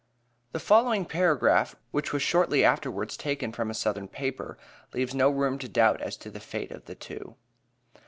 The following paragraph, which was shortly afterwards taken from a Southern paper, leaves no room to doubt, as to the fate of the two.